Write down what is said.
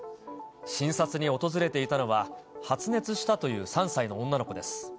診察に訪れていたのは、発熱したという３歳の女の子です。